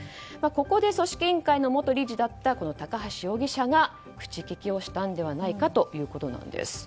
ここで組織委員会の元理事だった高橋容疑者が口利きをしたのではないかということなんです。